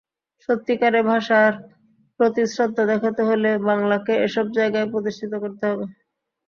সত্যিকারে ভাষার প্রতি শ্রদ্ধা দেখাতে হলে বাংলাকে এসব জায়গায় প্রতিষ্ঠিত করতে হবে।